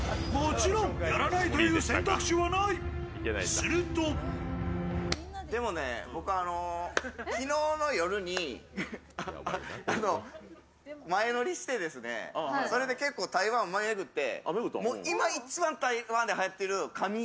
するとデモね、僕昨日の夜に前乗りしてそれで結構台湾巡って。